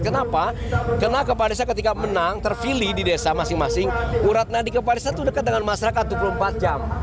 kenapa karena kepala desa ketika menang terpilih di desa masing masing bu ratna di kepala desa itu dekat dengan masyarakat dua puluh empat jam